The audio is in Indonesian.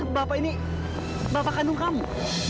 bapak ini bapak kandung kamu